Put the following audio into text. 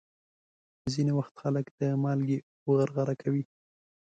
ځینې وخت خلک د مالګې اوبه غرغره کوي.